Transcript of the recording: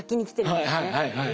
はいはいはいはい。